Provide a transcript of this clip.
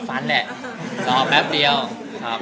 ปรับเดียวเอง